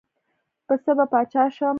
پۀ څۀ به باچا شم ـ